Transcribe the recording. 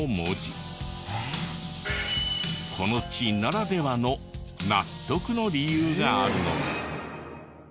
この地ならではの納得の理由があるのです。